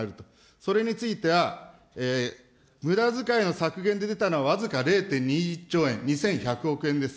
それについては、むだづかいの削減で出たのは僅か０．２１兆円、２１００億円です。